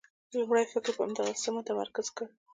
لومړی فکر یې پر همدغه څه متمرکز کړ.